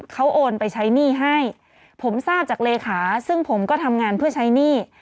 เขาโอนไปใช้หนี้ให้ผมทราบจากเลขาซึ่งผมก็ทำงานเพื่อใช้หนี้